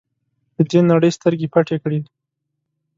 له دې نړۍ سترګې پټې کړې.